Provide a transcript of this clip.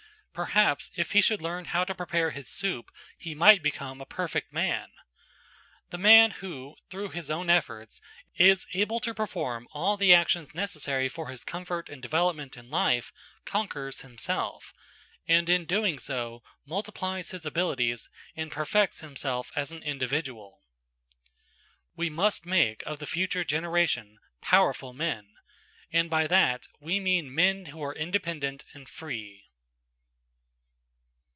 Per haps if he should learn how to prepare his soup he might become a perfect man! The man who, through his own efforts, is able to perform all the actions necessary for his comfort and development in life, conquers himself, and in doing so multiplies his abilities and perfects himself as an individual. We must make of the future generation, powerful men, and by that we mean men who are independent and free.